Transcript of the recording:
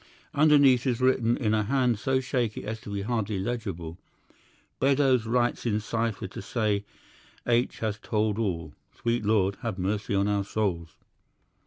"Underneath is written in a hand so shaky as to be hardly legible, 'Beddoes writes in cipher to say H. has told all. Sweet Lord, have mercy on our souls!